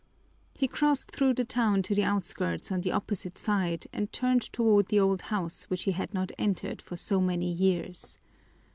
He crossed through the town to the outskirts on the opposite side and turned toward the old house which he had not entered for so many years.